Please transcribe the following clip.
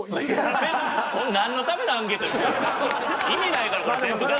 意味ないからこれ全部が。